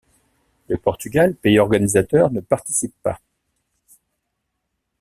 Le Portugal, pays organisateur, ne participe pas.